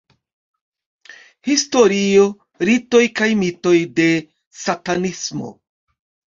Historio, ritoj kaj mitoj de satanismo.